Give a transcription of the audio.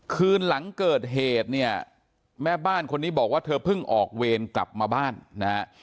คืนหลังเกิดเหตุเนี่ยแม่บ้านคนนี้บอกว่าเธอเพิ่งออกเวรกลับมาบ้านนะฮะ